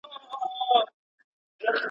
ډیر نښتي دي په دام ددې صیاد